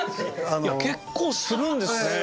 結構するんですね。